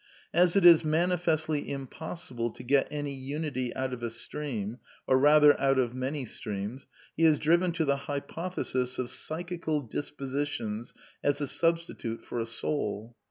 " As it is manifestly impossible to get any unity out of a stream, or rather out of many streams, he is driven to the hypothesis of " psychical dispositions " as a substitute for a soul.